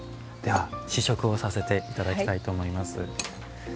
では試食をさせて頂きたいと思います。